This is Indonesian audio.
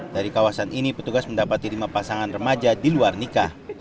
dari kawasan ini petugas mendapati lima pasangan remaja di luar nikah